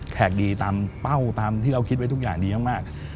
คดีตามเป้าตามที่เราคิดไว้ทุกอย่างดีมาก